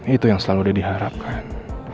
itu yang selalu didiharapkan